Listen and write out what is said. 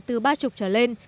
từ ba mươi trở lên